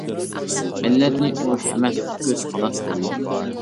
مىللەتنى ئۇرۇش ئەمەس سۈكۈت ھالاك قىلىدۇ.